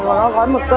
cái này nó phải gốc đôi